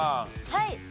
はい。